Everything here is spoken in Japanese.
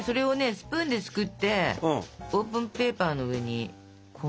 スプーンですくってオーブンペーパーの上にこんもり。